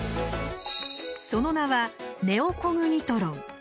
その名はネオコグニトロン。